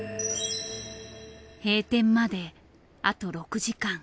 閉店まであと６時間。